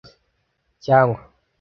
cyangwa